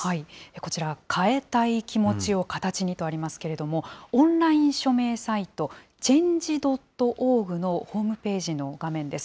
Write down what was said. こちら、変えたい気持ちを形にとありますけれども、オンライン署名サイト、Ｃｈａｎｇｅ．ｏｒｇのホームページの画面です。